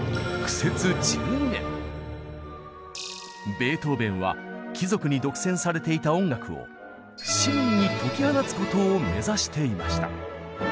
ベートーベンは貴族に独占されていた音楽を市民に解き放つことを目指していました。